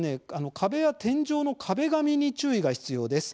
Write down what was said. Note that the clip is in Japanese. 壁や天井の壁紙に注意が必要です。